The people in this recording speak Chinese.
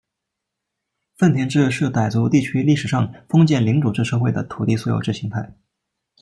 份田制是傣族地区历史上封建领主制社会的土地所有制形态。